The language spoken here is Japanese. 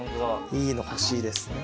いいの欲しいですね。